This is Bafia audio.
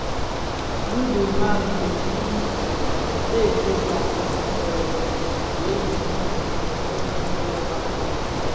Bi dhinanèn di dhi tèèzi nkankan wu bi gued i mumfin mkpoňèn lè Bantu.